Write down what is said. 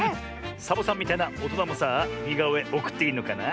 サボさんみたいなおとなもさあにがおえおくっていいのかな？